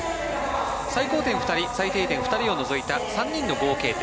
最高点２人、最低点２人を除いた３人の合計点。